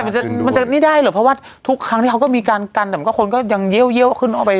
แต่มันจะไม่ได้เพราะทุกครั้งที่เขาก็มีกันกันแต่คนก็เย่าขึ้นออกไป